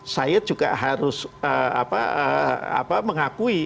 saya juga harus mengakui